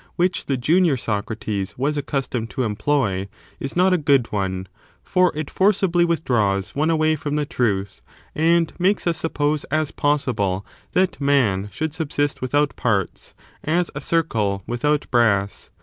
which the junior Socrates ^ was accustomed to employ, is not a good one, for it forcibly withdraws one away from the truth, and makes us suppose as possible that man should subsist without parts, as a circle without brass.